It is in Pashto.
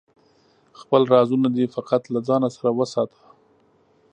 خپل رازونه دی فقط له ځانه سره وساته